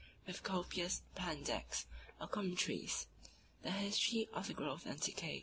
311—350,) with copious pandects, or commentaries. The history of the Growth and Decay (A.